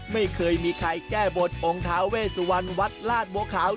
ไม่เคยมีใครแก้บทองค์ท้าเวสุวรรณวัดลาดบัวขาว